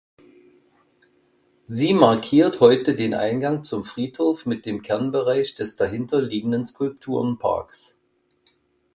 Sie markiert heute den Eingang zum Friedhof mit dem Kernbereich des dahinter liegenden Skulpturenparks.